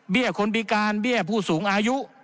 เบี้ยคนบิการเบี้ยผู้สูงอายุ